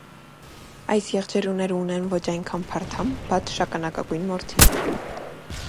Այս եղջերուները ունեն ոչ այնքան փարթամ, բաց շագանակագույն մորթի։